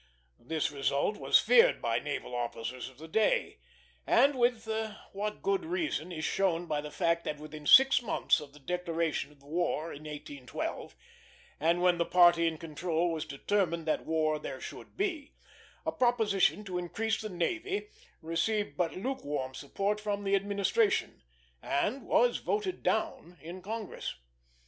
This result was feared by naval officers of the day; and with what good reason is shown by the fact that, within six months of the declaration of the War in 1812, and when the party in control was determined that war there should be, a proposition to increase the navy received but lukewarm support from the administration, and was voted down in Congress.